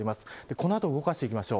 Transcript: この後、動かしていきます。